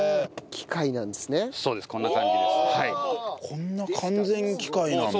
こんな完全に機械なんだ。